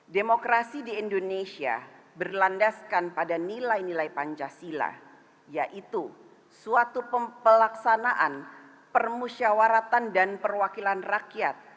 demokrasi di indonesia berlandaskan pada nilai nilai pancasila yaitu suatu pelaksanaan permusyawaratan dan perwakilan rakyat